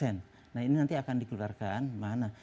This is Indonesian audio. nah ini nanti akan dikeluarkan mana